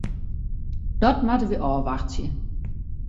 Dat moatte we ôfwachtsje.